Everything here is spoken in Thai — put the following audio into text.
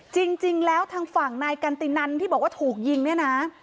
จริงแล้วทางฝั่งนายกันตินันที่บอกว่าถูกยิงเนี่ยนะ